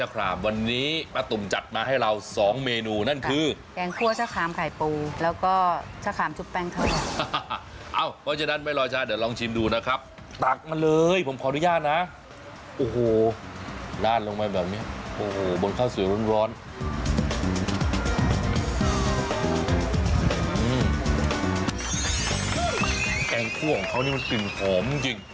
แกงคั่วของเขานี่มันกลิ่นหอมจริง